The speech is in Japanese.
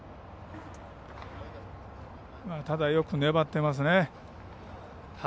ただ、よく粘っていますね。